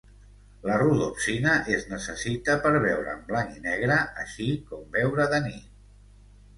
La rodopsina es necessita per veure en blanc i negre, així com veure de nit.